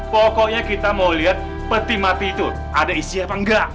pokoknya kita mau lihat peti mati itu ada isi apa enggak